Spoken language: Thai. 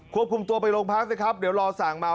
วบคุมตัวไปโรงพักสิครับเดี๋ยวรอสั่งเมา